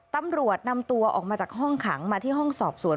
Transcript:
ตำรวจนำตัวออกมาจากห้องขังมาที่ห้องสอบสวน